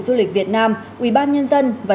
du lịch việt nam ubnd và